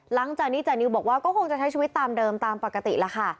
หลังจากนี้จานิวบอกว่าก็คงจะใช้ชีวิตตามเดิมตามปกติแล้วค่ะ